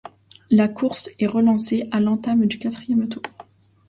La course est relancée à l'entame du quatrième tour.